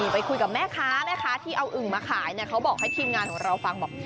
ไปคุยกับแม่ค้าแม่ค้าที่เอาอึ่งมาขายเนี่ยเขาบอกให้ทีมงานของเราฟังบอก